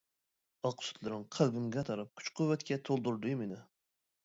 ئاق سۈتلىرىڭ قەلبىمگە تاراپ، كۈچ-قۇۋۋەتكە تولدۇردى مېنى.